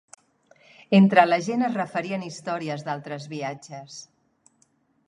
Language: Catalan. Entre la gent es referien històries d'altres viatges